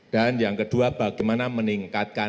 dan yang kedua bagaimana meningkatkan